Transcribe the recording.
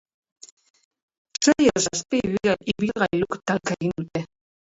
Sei edo zazpi ibilgailuk talka egin dute.